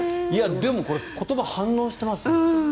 でも言葉に反応してますね。